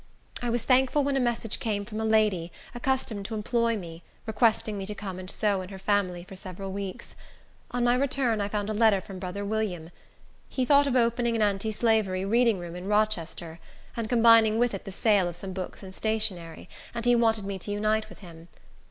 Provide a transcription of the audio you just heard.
I was thankful when a message came from a lady, accustomed to employ me, requesting me to come and sew in her family for several weeks. On my return, I found a letter from brother William. He thought of opening an anti slavery reading room in Rochester, and combining with it the sale of some books and stationery; and he wanted me to unite with him.